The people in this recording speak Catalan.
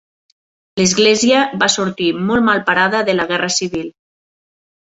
L'església va sortir molt mal parada de la Guerra Civil.